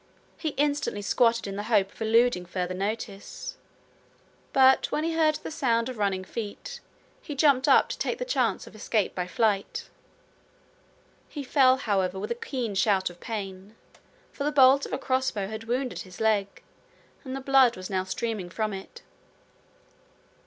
He instantly squatted in the hope of eluding further notice. But when he heard the sound of running feet, he jumped up to take the chance of escape by flight. He fell, however, with a keen shoot of pain, for the bolt of a crossbow had wounded his leg, and the blood was now streaming from it.